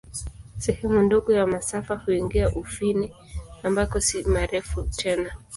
Sehemu ndogo ya masafa huingia Ufini, ambako si marefu tena.